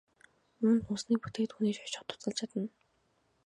Үүнд хүнсний бүтээгдэхүүний шошго тусалж чадна.